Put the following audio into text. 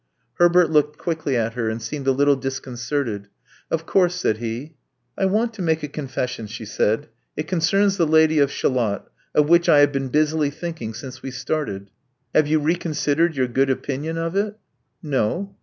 Herbert looked quickly at her, and seemed a little disconcerted. Of course, '' said he. I want to make a confession," she said. It con cerns the Lady of Shalott, of which I have been busily thinking since we started. " Have you reconsidered your good opinion of it?* No.